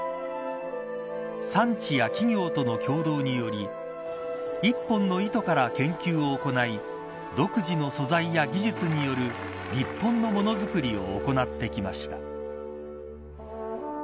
産地や企業との協働により１本の糸から研究を行い独自の素材や技術による日本のものづくりを行ってきました。